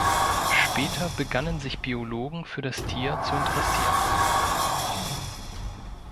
Später begannen sich Biologen für das Tier zu interessieren.